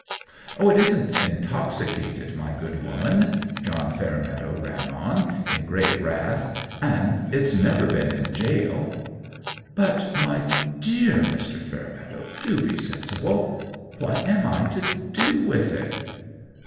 "It isn't intoxicated, my good woman," John Fairmeadow ran on, in great wrath; "and it's never been in jail." "But my dear Mr. Fairmeadow, do be sensible; what am I to do with it?"